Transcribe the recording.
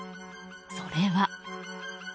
それは。